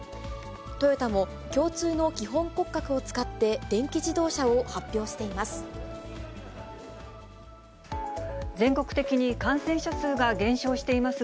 トヨタも共通の基本骨格を使って、電気自動車を発表しています。